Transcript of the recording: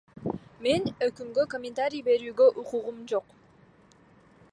Мен өкүмгө комментарий берүүгө укугум жок.